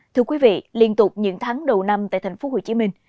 thưa quý vị liên tục những tháng đầu năm tại thành phố hồ chí minh